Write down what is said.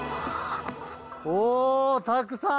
おたくさん！